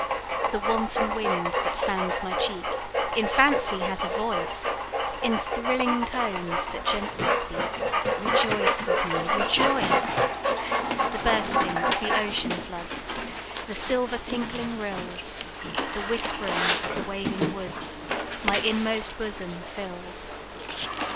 "The wanton wind that fans my cheek, In fancy has a voice, In thrilling tones that gently speak Rejoice with me, rejoice! The bursting of the ocean floods, The silver tinkling rills, The whispering of the waving woods, My inmost bosom fills.